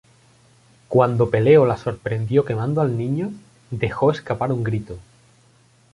Cuando Peleo la sorprendió quemando al niño, dejó escapar un grito.